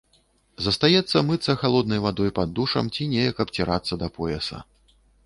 Застаецца мыцца халоднай вадой пад душам ці неяк абцірацца да пояса.